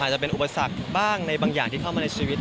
จะเป็นอุปสรรคบ้างในบางอย่างที่เข้ามาในชีวิต